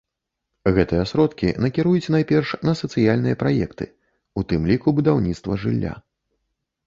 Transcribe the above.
Гэтыя сродкі накіруюць найперш на сацыяльныя праекты, у тым ліку будаўніцтва жылля.